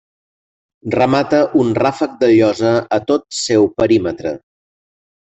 Remata un ràfec de llosa a tot seu perímetre.